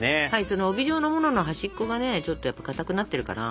その帯状のものの端っこがねちょっとかたくなってるから。